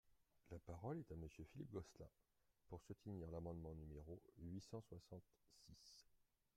La parole est à Monsieur Philippe Gosselin, pour soutenir l’amendement numéro huit cent soixante-six.